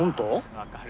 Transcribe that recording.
あ分かる。